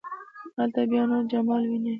هلته بیا نور جمال ويني.